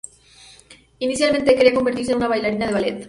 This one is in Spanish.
Inicialmente, quería convertirse en una bailarina de ballet.